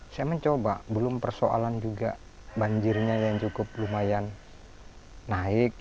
saya mencoba belum persoalan juga banjirnya yang cukup lumayan naik